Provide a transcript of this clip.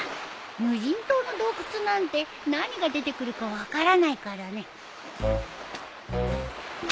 無人島の洞窟なんて何が出てくるか分からないからね。